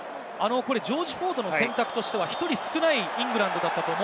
ジョージ・フォードの選択としては、１人少ないイングランド。